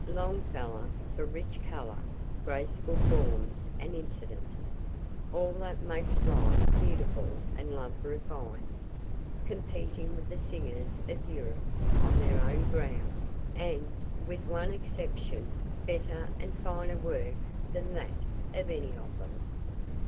Longfellow for rich color, graceful forms and incidents all that makes life beautiful and love refined competing with the singers of Europe on their own ground, and, with one exception, better and finer work than that of any of them.